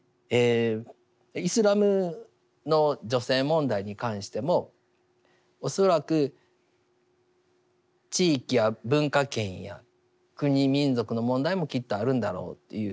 イスラムの女性問題に関しても恐らく地域や文化圏や国民族の問題もきっとあるんだろうというふうに思います。